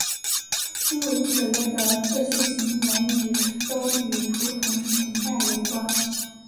诸如此类的这些形容语都与图腾崇拜有关。